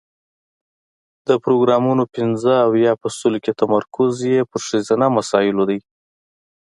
د پروګرامونو پنځه اویا په سلو کې تمرکز یې پر ښځینه مسایلو دی.